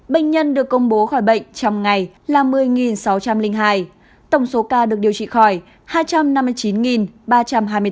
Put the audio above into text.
bệnh nhân được công bố khỏi bệnh trong ngày là một mươi sáu trăm linh hai tổng số ca được điều trị khỏi hai trăm năm mươi chín ba trăm hai mươi ca